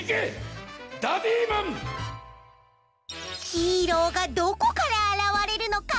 ヒーローがどこからあらわれるのか？